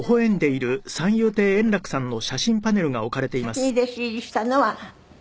先に弟子入りしたのは。